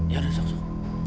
ya udah sok sok